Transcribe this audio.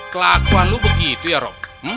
kelakuan lo begitu ya rob